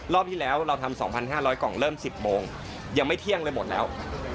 ที่แล้วเราทำ๒๕๐๐กล่องเริ่ม๑๐โมงยังไม่เที่ยงเลยหมดแล้ว